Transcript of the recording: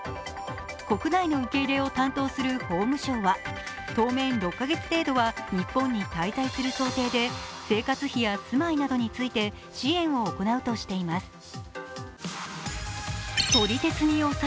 国内の受け入れを担当する法務省は、当面６カ月程度は日本に滞在する想定で生活費や住まいなどについて支援を行うとしています。